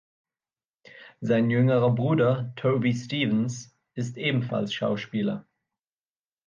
Sein jüngerer Bruder, Toby Stephens, ist ebenfalls Schauspieler.